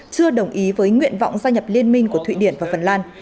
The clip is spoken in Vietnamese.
chưa đồng ý với nguyện vọng gia nhập liên minh của thụy điển và phần lan